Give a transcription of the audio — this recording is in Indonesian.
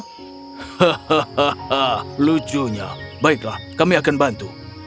hahaha lucunya baiklah kami akan bantu